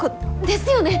ですよね。